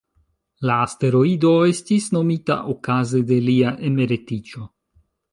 La asteroido estis nomita okaze de lia emeritiĝo.